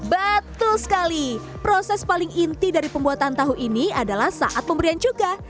betul sekali proses paling inti dari pembuatan tahu ini adalah saat pemberian cuka